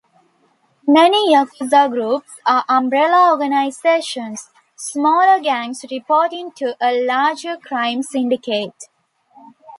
Many yakuza groups are umbrella organizations, smaller gangs reporting to a larger crime syndicate.